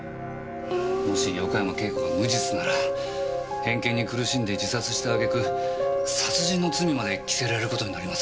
もし横山慶子が無実なら偏見に苦しんで自殺した揚げ句殺人の罪まで着せられることになりますからね。